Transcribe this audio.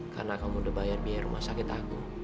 karena kamu udah bayar biaya rumah sakit aku